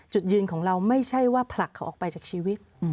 จุดยืนของเราไม่ใช่ว่าผลักเขาออกไปจากชีวิต